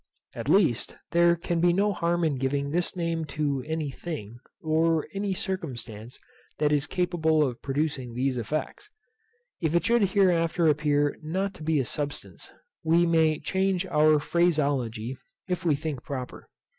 At least, there can be no harm in giving this name to any thing, or any circumstance that is capable of producing these effects. If it should hereafter appear not to be a substance, we may change our phraseology, if we think proper.